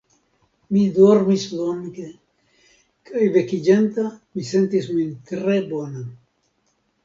Mi dormis longe, kaj vekiĝanta mi sentis min tre bona.